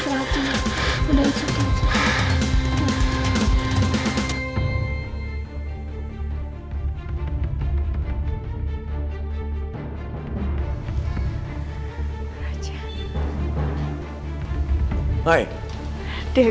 kamu semua bisa hypothetical